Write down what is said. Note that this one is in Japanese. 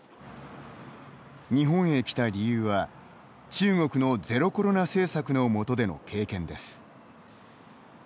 日本へ来た理由は、中国のゼロコロナ政策の下での経験です。